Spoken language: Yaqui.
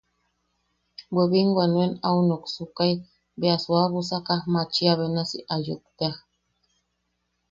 Bwe binwa nuen au noksukai, bea suabusaka machia benasi ayuk tea,.